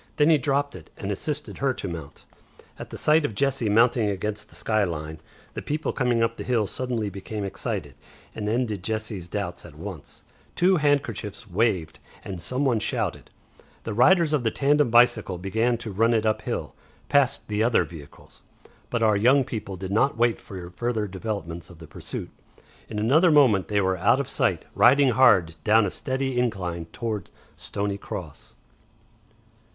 Then he dropped it and assisted her to mount. At the sight of Jessie mounting against the sky line the people coming up the hill suddenly became excited and ended Jessie's doubts at once. Two handkerchiefs waved, and some one shouted. The riders of the tandem bicycle began to run it up hill, past the other vehicles. But our young people did not wait for further developments of the pursuit. In another moment they were out of sight, riding hard down a steady incline towards Stoney Cross.